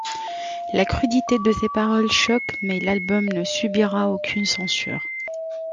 La crudité de ses paroles choque mais l'album ne subira aucune censure.